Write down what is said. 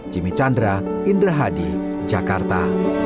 jimmy chandra indra hadi jakarta